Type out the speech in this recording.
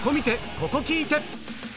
ここ聴いて！